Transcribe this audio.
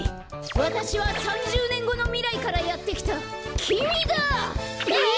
わたしは３０ねんごのみらいからやってきたきみだ！え！？